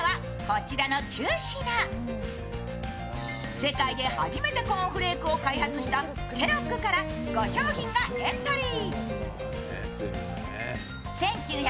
世界で初めてコーンフレークを開発したケロッグから５商品がエントリー。